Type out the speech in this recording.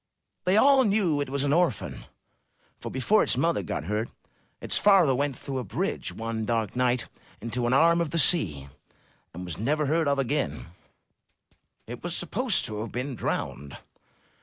They all knew it was an orphan, for before its mother got hurt its 343 MY BOOK HOUSE father went through a bridge one dark night into an arm of the sea, and was never heard of again; he was supposed to have been drowned.